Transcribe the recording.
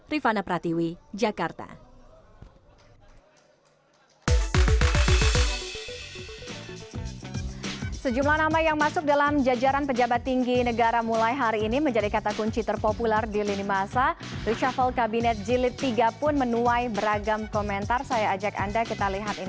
rifana pratiwi jakarta